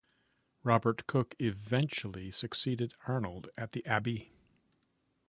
Robert Cooke eventually succeeded Arnold at the Abbey.